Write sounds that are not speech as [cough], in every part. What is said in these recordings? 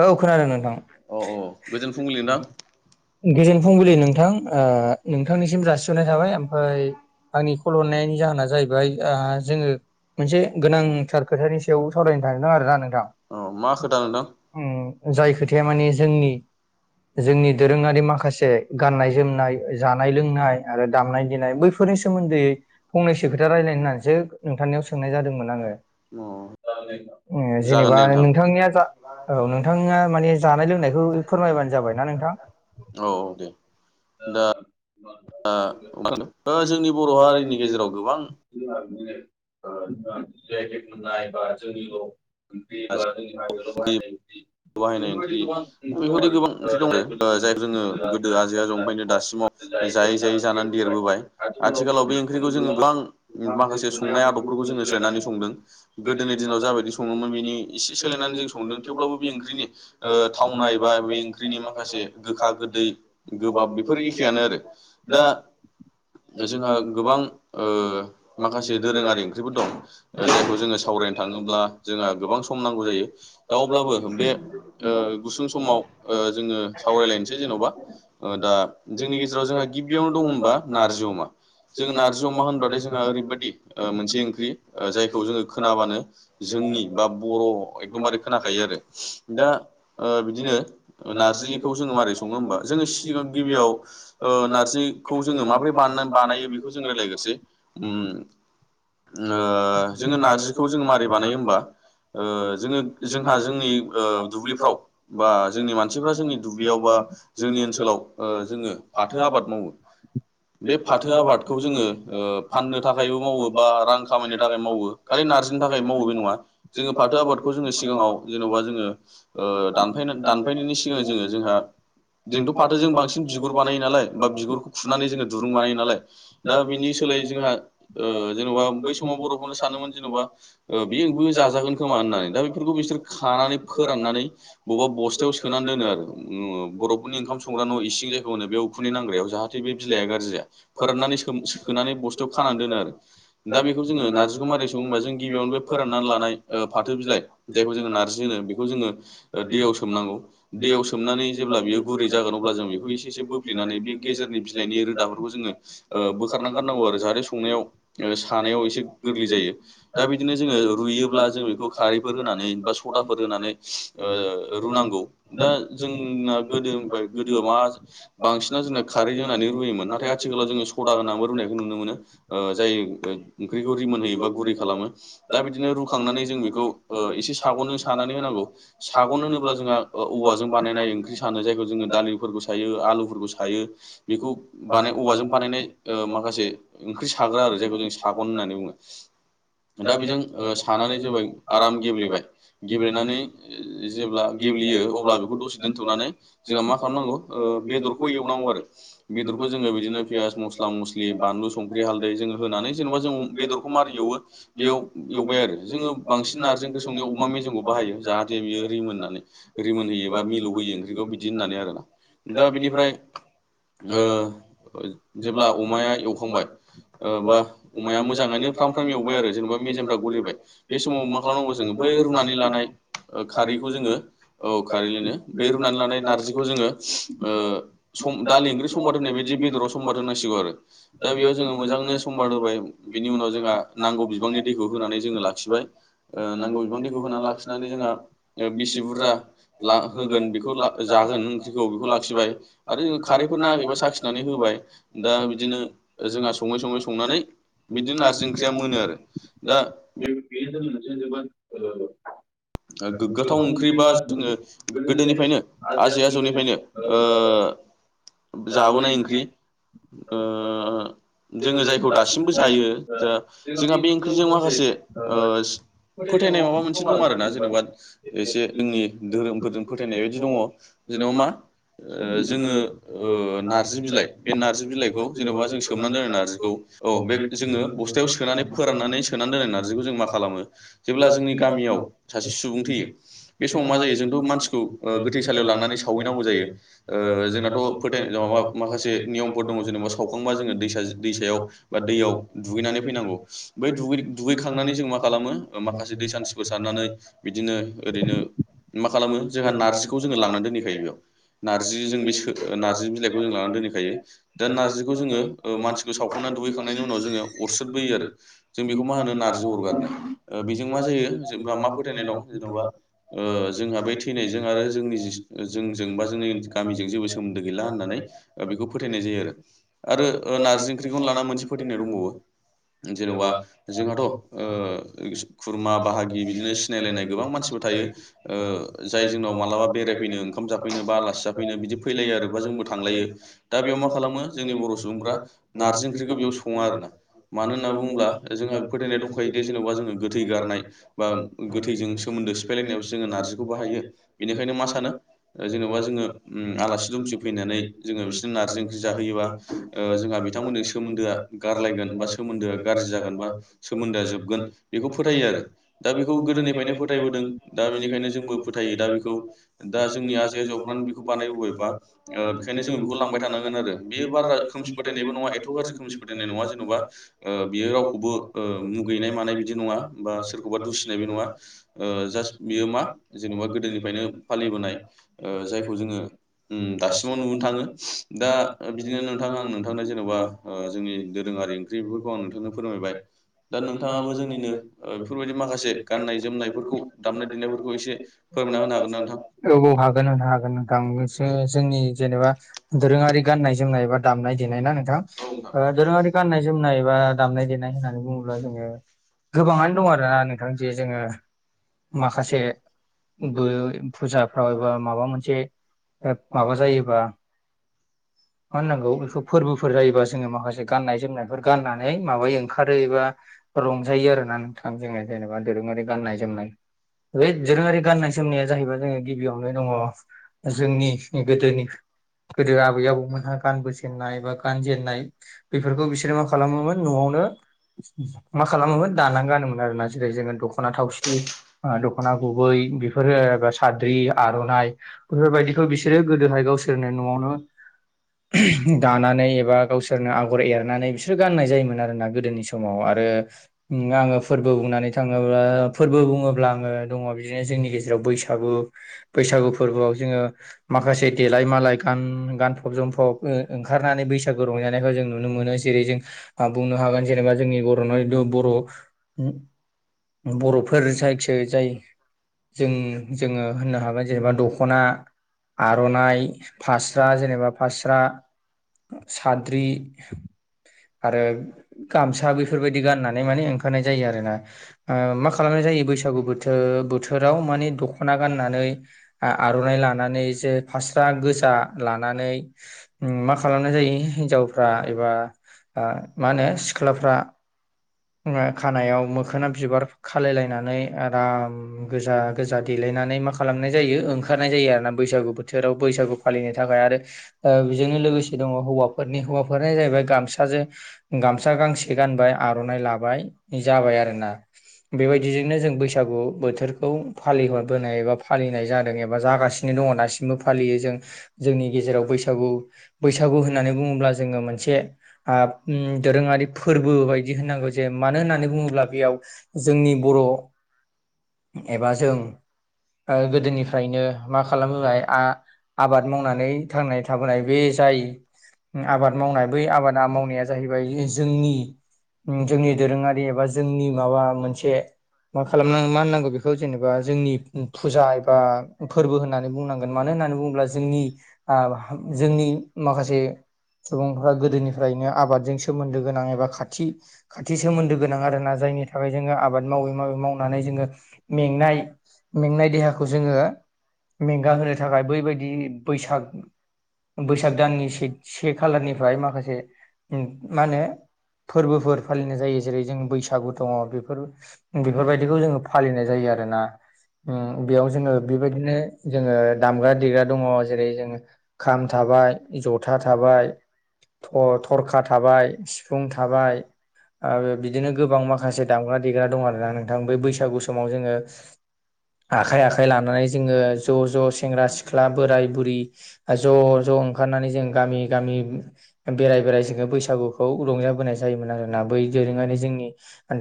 औ खोनादों नोंथां। औ गोजोन फुंबिलि नोंथां गोजोन फुंबिलि नोंथां ओ नोंथांनिसिम जासिहरनाय थाबाय ओमफ्राय, आंनिखौ कल हरनायनि जाहोना जाहैबाय दा जोङो मोनसे गोनांथार खोथानि सायाव सावरायनो थांनो आरोना नोंथां औ मा खोथा नोंथां उम जाय खोथाया माने जोंनि जोंनि दोरोङारि माखासे गाननाय जोमनाय जानाय लोंनाय आरो दामनाय देनाय बैफोर फोरनि सोमोन्दै फंनैसो खोथा रायलायनो होननानैसो नोंथांनियाव सोंनाय जादोंमोन आङो अ जागोन जेनेबा दे नोंथां नोंथांनिया जा औ नोंथाङा माने जानाय लोंनायखौ फोरमायबानो जाबायना नोंथां औ दे दा ओ मा होनो जोंनि बर' हारिनि गेजेराव गोबां जेकेट मोननाय बा जोंनिल' [unintelligible] बा ओंख्रि जोंनि बायनाय जि बाहायनाय ओंख्रि बेफोरबायदि गोबां ओंख्रि दङो जाय जोङो गोदो आजै आजौनिफ्रायनो दासिमाव जायै जायै जानानै देरबोबाय आथिखालाव बे ओंख्रिखौ जोङो गोबां माखासे संनाय आदब खौबो जोङो सोलायनानै संदों गोदोनि दिनाव जाबायदि सङोमोन बेनि एसे सोलायनानै जों संदों थेवब्लाबो बे ओं बिनि ओ थावनाय बा बे ओंख्रिनि माखासे गोखा गोदै गोबाब बेफोर एखेयानो आरो दा जोंहा गोबां ओ माखासे दोरोङारि ओंख्रिफोर दं जायखौ जोङो साव सावरायनो थाङोब्ला जोंहा गोबां सम नांगौ जायो दा अब्लाबो बे ओ गुसुं समाव ओ जोङो सावरायलायनोसै जेन'बा ओ दा जोंनि गेजेराव जोंहा गिबियावनो दं होनबा नारजि अमा जों नारजि अमा होनबाथाय जोंहा ओरैबायदि मोनसे ओंख्रि जायखौ जोङो खोनाबानो जों जोंनि बा बर' एकदमबारे खोनाखायो आरो दा बिदिनो नारजिखौ जोङो माबारै सङो होमबा जोङो सिगां गिबियाव ओ नारजिखौ जोङो माबोरै बा बानायो बेखौ जों रायज्लायग्रोनोसै [inaudible] ओ जोङो नारजिखौ जोङो मारै बानायो होमबा ओ जोङो जोंहा जोंनि ओ दुब्लिफ्राव बा जोंनि मानसिफ्रा जोंनि दुब्लियाव बा जोंनि ओनसोलाव ओ जोङो फाथो आबाद मावो बे फाथो आबादखौ जोङो ओ फाननो थाखायबो मावो बा रां खामायनो थाखाय मावो खालि नार्जिनि थाखाय मावो बे नङा जोङो फाथो आबादखौ जोङो सिगाङाव जेन'बा जोङो ओ दानफाय दानफायनायनि सिगां जोङो जोंहा जोंथ' फाथो जों बांसिन बिगुर बानायो नालाय बा बिगुरखौ खुरनानै जोङो दुरुं बानायो नालाय दा बिनि सोलाय जोंहा ओ जेन'बा बै समाव बर'फोरनो सानोमोन जेन'बा बेयोबो जाजागोन खोमा होननानै दा बेफोरखौ बिसोर खानानै फोराननानै बबावबा बस्थायाव सोनानै दोनो आरो बर'फोरनि ओंखाम संग्रा न' इसिं जायगायाव मोनो बेयाव उखुनदै नांग्रायाव जाहाथे बे बिलाइआ गाज्रि जाया फोराननानै सो सोनानै बस्थायाव खानानै दोनो आरो दा बेखौ जोङो नार्जिखौ मारै सङो होनबा जों गिबियावनो बे फोराननानै लानाय ओ फाथो बिलाइ जायखौ जोङो नारजि होनो बे खौ जोङो दैयाव सोमनांगौ दैयाव सोमनानै जेब्ला बियो गुरै जागोन अब्ला जों बेखौ एसे एसे बोप्ले नानै बे गेजेरनि बिलाइनि रोदाफोरखौ जोङो बोखारनानै गारनांगौ आरो जाहाथे संनायाव सानायाव एसे गोरलै जायो दा बिदिनो जोङो रुइयोब्ला जों बेखौ खारैफोर होनानै बा सदा फोर होनानै रुनांगौ दा जोंना गोदोनिफ्राय गोदोआव मा बांसिन जोंना खारै होनानै रुयोमोन नाथाय आथिखालाव जोङो सदा होनानैबो रुनायखौ नुनो मोनो जाय ओंख्रिखौ रिमोन होयोबा गुरै खालामो दा बिदिनो रुखांनानै जों बेखौ ओ एसे साग'नजों सा होनांगौ सागन होनोब्ला जोंहा औवाजों बानायनाय ओंख्रि सानो जायखौ जोङो दालिफोरखौ सायो आलुफोरखौ सायो बेखौ बानाय औवाजों बानायनाय माखासे ओंख्रि साग्रा आरो जायखौ जों सागन होननानै बुङो। दा बेजों सानानै जाबाय आराम गेब्लेबाय गेब्लेनानै जेब्ला गेब्लेयो अब्ला बेखौ दसे दोनथ'नानै जोंहा मा खालामनांगौ ओ बेदरखौ एवनांगौ बेदरखौ जों बिदिनो पियास मस्ला मस्लि बानलु संख्रि हालदै जों होनानै जेनेबा जों बेदरखौ मार एवो बेयाव एवबाय आरो जोंङो बांसिन नारजिखौ संनायाव अमा मेजमखौ बाहाय बाहायो जाहाथे बियो रिमोननानै रिमोन होयोबा मिलौ होयो ओंख्रिखौ बिदि होननानै आरोना। दा बिनिफ्राय ओ जेब्ला अमाया एवखांबाय ओ बा अमाया मोजाङैनो फ्राम फ्राम एवबाय आरो जेनेबा मेजेमफ्रा गलिबाय बे समाव मा खालामनांगौ जोंङो बै रुनानै लानाय [inaudible] ओ खारैखौ जोंङो औ खारैजोंनो बे रुनानै लानाय नारजिखौ जोंङो ओ स दालि ओंख्रि सबार होनाय बायदि बेदराव समबार होनांसिगौ आरो दा बेयाव जोंङो मोजांनो सबार होबाय। बिनि उनाव जोंहा नांगौ बिबांनि दैखौ होनानै जोंङो लाखिबाय ओ नांगौ बिबां दैखौ होनानै लाखि जोंहा बिसि बुरजा ला होगोन बेखौ जागोन ओंख्रिखौ बेखौ लाखिबाय। आरो जो खारैफोर नाङाखैबा साखिनानै होबाय दा बिदिनो जोंहा सङै सङै संनानै बिदिनो नार्जि ओंख्रिया मोनो आरो दा [inaudible] गोगाथाव ओंख्रिबा जोंङो गोदोनिफ्रायनो आजै आजौनिफ्रायनो ओ जाबोनाय ओंख्रि ओ जोंङो जायखौ दासिम जायो जोंहा बे ओंख्रिजों माखासे ओ फोथायनाय माबा मोनसे दं आरोना जेनेबा एसे जोंनि धोरोमफोरजों फोथायनाय बायदि दङ जेनेबा मा ओ जोंङो ओ नार्जि बिलाइ बे नार्जि बिलाइखौ जेनबा जों सोमनानै दोनो नार्जिखौ औ बे जोंङो बस्थायाव सोनानै फोराननानै सोनानै दोननाय नारजिखौ जों मा खालामो जेब्ला जोंनि गामियाव सासे सुबुं थैयो बे समाव मा जायो जोंथ मानसिखौ गोथैसालियाव लांनानै सावहैनांगौ जायो ओ जोंनाथ' फोथायनाय माखासे नेयमफोर दं जेनबा सावखांबा जोंङो दैसायाव जि दैसायाव दैयाव दुगैनानै फैनांगौ बै दुगैखांनानै जों मा खालामो माखासे दै सानथिफोर सारनानै बिदिनो ओरैनो मा खालामो जोंहा नारजिखौ जोंङो लांनानै दोनहैखायो बेयाव। नारजि जों बे नारजि बिलाइखौ जों लानानै दोनहैखायो दा नारजिखौ जोंङो मानसिखौ सावखांनानै दुगैखां नायनो उनाव जोंङो अरस्रोदबोयो आरो जों बेखौ मा होनो नारजि अरगारनाय बेजों मा जायो जेनबा मा मा फोथायनाय दं जेनबा ओ जोंहा बे थैनायजों आरो जोंनि जि जोंजोंबा जोंनि गामिजों जेबो सोमोन्दो गैला होननानै बेखौ फोथायनाय जायो आरो नारजि ओंख्रिखौ लाना मोनसे फो फोथायनाय दंबावो जेनेबा जोंहाथ' ओ खुरमा बाहागि बिदिनो सिनाय सिनायनायलाय गोबां मानसिफोर थायो ओ जाय जोंनाव मालाबा बेरायफैनो ओंखाम जाफैनो बा आलासि जाफैनो बिदि फैलायो आरो बा जोंबो थांलायो दा बेयाव मा खालामो जोंनि बर सुबुं फ्रा नारजि ओंख्रिखौ बेयाव सं मानो होनना बुङोब्ला जोंहा फोथायनाय दंखायोदि जेनेबा जोंङो गोथै गारनाय बा गोथैजों सोमोन्दो सिफायलायनायाव जोंङो नारजिखौ बाहायो बेनिखायनो मा सानो जेनबा जोंङो आलासि दुमसि फैनानै जोंङो बिसोरनो नारजि ओंख्रि जाहयोबा ओ जोंहा बिथांमोनजों सोमोन्दोआ गारलायगोन बा सोमोन्दोआ गारजि जागोनबा सोमोन्दोआ जोबगोन बेखौ फोथायो आरो दा बे गोदोनिफ्रायनो फोथायबोदों दा बेनिखायनो जोंबो फोथायो दा बेखौ दा जोंनि आजै आजौफ्रा बेखौ बा बानायनायबा ओ बेखायनो जोंङो बेखौ लांबाय थानांगोन आरो बेयो बारा खोमसि फोथायनायबो नङा एथगाज्रि खोमसि फोथाय नुबा ओ बियो रावखौबो ओ मुगैनाय मानाय बिदि नङा बा सोरखौबा दुसि बियो नङा ओ जास मा जेनेबा गोदोनिफ्रायनो फालिबोनाय जायखौ ओ जोंङो उम दासिमाव नुनो थाङो दा बिदिनो नोंथां नोंथांनो जेनेबा ओ नि दोरोङारि ओंख्रि बेफोरखौ आं नोंथांनो फोरमायबाय दा नोंथाङाबो जोंनिनो बेफोरबायदि माखासे गाननाय जोमनायफोरखौ दामनाय देनायफोरखौ एसे फोरमायना होनो हागोन ना नोंथां। नोंसो जोंनि जेनेबा दोरोङारि गाननाय जोमनाय एबा दामनाय देनाय ना नोंथां। ओ दोरोङारि नोंथां। गाननाय जोमनाय एबा दामनाय देनाय होननानै बुङोब्ला जोंङो गोबाङानो दं आरोना नोंथां जे जोंङो माखासे बो फुजाफ्राव एबा माबा मोनसे माबा जायोबा मा होननांगौ बेखौ फोरबोफोर जायोबा जोंङो माखासे गाननाय जोमनायफोर गाननानै माबायो ओंखारो एबा रंजायो आरोना नोंथां जोङो जेनेबा दोरों ङारि गाननाय जोमनाय बे दोरोङारि गाननाय जोमनाया जाहैबाय जोङो गिबियावनो दङ जोंनि गोदोनि गोदो आबै आबौमोनहा गानबोजेन्नाय बा गानजेन्नाय बेफोरखौ बिसोरो मा खालामोमोन न'आवनो मा खालामोमोन दाना गानोमोन आरो ना जेरै जोङो दख'ना थावसि दख'ना गुबै बेफोरो एबा साद्रि आर'नाइ बेफोरबायदिखौ बिसोरो गोदोहाय गावसोरनो न'आवनो दानानै एबा गावसोरनो आगर एरनानै बिसोर गाननाय जायोमोन आरोना गोदोनि समाव आरो आङो फोरबो बुंनानै थाङो उ फोरबो बुङोब्ला आङो दङ बिदिनो जोंनि गेजेराव बैसागु बैसागु फोरबोआव जोङो माखासे देलाय मालाय गान गानफब जोमफब ओंखारनानै बैसा गु रंजानायखौ जों नुनो मोनो जेरै जों बुंनो हागोन जेनेबा जोंनि बर' बर' बर'फोर जायखि जाय जों जोङो होननो हागोन जेनेबा दख'ना आर'नाइ फास्रा जेनेबा फास्रा साद्रि [unintelligible] आरो गामसा बेफोरबायदि गाननानै माने ओंखारनाय जायो आरो ना मा खालामनाय जायो बैसागु बोथोर बोथोराव माने दखना गाननानै आर'नाइ लानानै जेफा स्रा गोजा लानानै उ माखासे खालामनाय जायो हिनजावफ्रा एबा मा होनो सिख्लाफ्रा खानायाव मोखोना बिबार खालायलायनानै आराम गोजा गोजा देलायनानै माने मा खालामनाय जायो ओंखारनाय जायो आरोना बैसागु बोथोराव बैसागु फालिनो थाखाय आरो बिजोंनो लो गोसे दङ हौवाफोरनि हौवाफोरना जाहैबाय गामसाजों गामसा गांसे गानबाय आरो लाबाय जाबाय आरोना बेबायदिजोंनो जों बैसागु बोथोरखौ फालिहरो फालिनाय एबा फालिनाय जादों एबा जागासिनो दङ दासिमबो फालियो जों जोंनि गेजेराव बैसागु बैसागु होननानै बुङोब्ला जोङो मोनसे दोरोङारि फोरबो बायदि नागौ जे मानो होननानै बुङोब्ला बेयाव जोंनि बर' एबा जों गोदोनिफ्रायनो मा खालामोबाय आ आबाद मावनानै थांनाय थाबोनाय बे जाय आबाद मावनाय बै आबादा मावनाया जाहैबाय जोंनि जोंनि दोरोङारि एबा जोंनि माबा मोनसे मा खालामना मा होननांगौ बेखौ जेनेबा जोंनि फुजा एबा फोरबो होननानै बुंनांगोन मानो होन होननानै बुङोब्ला जोंनि जोंनि माखासे सुबुंफ्रा गोदोनिफ्रायनो आबादजों सोमोन्दो गोनां एबा खाथि खाथि सोमोन्दो गोनां आरोना जायनि थाखाय जोङो आबाद मावै मावै मावनानै जोङो मेंनाय मेंनाय देहाखौ जोङो मेंगाहोनो थाखाय बैबायदि बैसागु बैसाग दाननि सेख से खालारनिफ्राय माखासे मा होनो फोरबो फोरोर फालिनाय जायो जेरै जों बैसागु दङ बेफोर बेफोरबायदिखौ जोङो फालिनाय जायो आरो ना बेयाव जोङो बेबायदिनो जोङो दामग्रा देग्रा दङ जेरै जोङो खाम थाम थाबाय जथा थाबाय थ थरखा थाबाय सिफुं थाबाय आरो बिदिनो गोबां माखासे दामग्रा देग्रा दं आरोना नोंथां बै बैसागु समाव जोङो आखाइ आखाइ लानानै जोङो ज' ज' सेंग्रा सिख्ला बोराय बुरि ज' ज' ओंखारनानै जों गामि गामि बेराय बेराय जोङो बैसागुखौ रंजाबोनाय जायोमोन आरो बै दोरोङारि जोंनि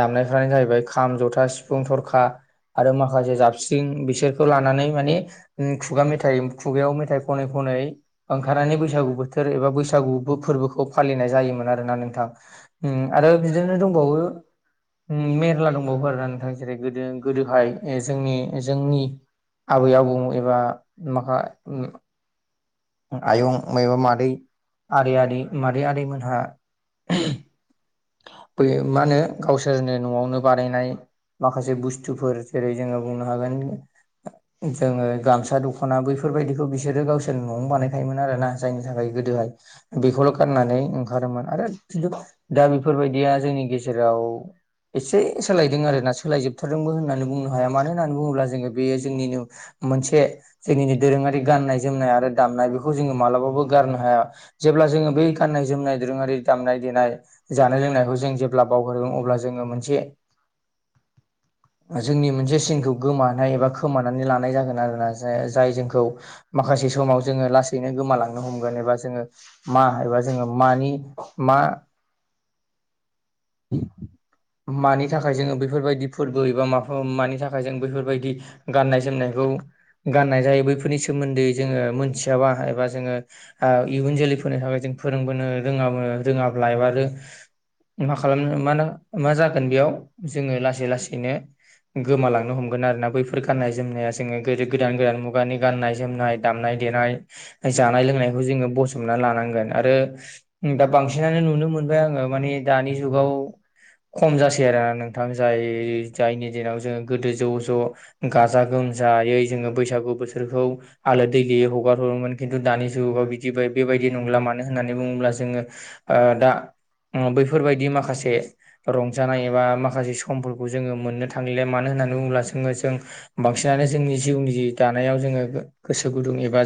दामनायफ्रानो जाहैबाय खाम जथा सिफुं थरखा आरो माखासे जाबस्रिं बिसोरखौ लानानै माने खुगा मेथाइ खुगायाव मेथाइ खनै खनै ओंखारनानै बैसागु बोथोर एबा बैसागु फोरबोखौ फालिनाय जायोमोन आरोना नोंथां आरो बिदिनो दंबावो मेरला दंबावो आरोना नोंथां जेरै गोदो गोदोहाय जोंनि जोंनि आबै आबौ एबा माखा आयं एबा मादै आदै आदै मादै आदैमोनहा बे मा होनो गावसोरनि न'आवनो बानायनाय माखासे बुस्थुफोर जेरै जोङो बुंनो हागोन जोङो गामसा दख'ना बैफोरबायदिखौ बिसोरो गावसोर न'आवनो बानायखायोमोन आरोना जायनि थाखाय गोदोहाय बेखौल' गाननानै ओंखारोमोन। आरो दा बेफोर बादिया जोंनि गेजेराव एसे सोलायदों आरोना। सोलायजोबथारदोंबो होननानै बुंनो हाया मानो होननानै बुङोब्ला जोङो बेयो जोंनिनो मोनसे जोंनि दोरोङारि गाननाय जोमनाय आरो दामनाय बेखौ जोङो मालाबाबो गारनो हाया। जे अब्ला जोङो बै गाननाय जोमनाय दोरोङारि दामनाय देनाय जानाय लोंनायखौ जों जेब्ला बावगारदों अब्ला जोङो मोनसे जोंनि मोनसे सिनखौ गोमानाय एबा खोमानानै लानाय जागोन आरोना। जाय जोंखौ माखासे समाव जोङो लासैनो गोमालांनो हमगोन एबा जोङो मा एबा जोङो मानि मा [inaudible] [inaudible] नि थाखाय जोङो बेफोरबायदि फोरबो एबा मा मानि थाखाय जों बेफोरबायदि गाननाय जोमनाय खौ गानाय जायो बैफोरनि सोमोन्दै जोङो मोनथिया एबा जोङो इयुन जोलै फोरनो जों फोरोंबोनो रोङाबो रोङाब्ला एबा मा खालामनो मानो मा जागोन बेयाव जोङो लासै लासैनो गोमालांनो हमगोन आरोना बैफोर गाननाय जोमनाया। जोङो गोदो गोदान गोदान मुगानि गाननाय जोमनाय दामनाय देनाय जानाय लोंनायखौ जोङो बसबना लानांगोन। आरो दा बांसिनानो नुनो मोन ओमफ्राय आङो माने दानि जुगाव खम जासै आरोना नोंथां जाय जायनि दिनाव जोङो गोदो ज' ज' गाजा गोमजायै जोङो बैसागु बोथोरखौ आलो दैलियै हगार हरोमोन। खिन्थु दानि जुगाव बिदि बेबायदि नंला मानो होननानै बुङोब्ला जोङो ओ दा बैफोरबायदि माखासे रंजानाय एबा माखासे समफोरखौ जोङो मोननो थांलााय मानो होननानै बुङोब्ला जोङो जों बांसिन नानो जोंनि जिउनि दानायाव जोङो गोसो गुदुं एबा जों